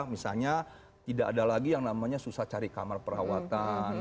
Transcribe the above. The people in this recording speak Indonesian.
misalnya tidak ada lagi yang namanya susah cari kamar perawatan